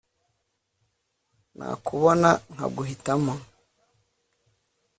nakubona nkaguhitamo